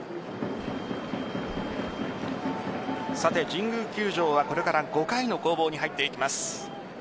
神宮球場はこれから５回の攻防に入っていきます。